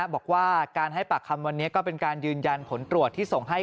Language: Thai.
บอกว่าการให้ปากคำวันนี้ก็เป็นการยืนยันผลตรวจที่ส่งให้